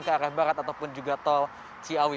tol barat ataupun juga tol ciawi